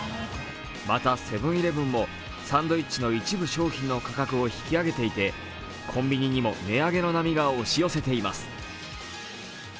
また、セブンイレブンもサンドイッチの一部商品の価格を押し上げていてコンビニにも値上げの波が押し寄せています。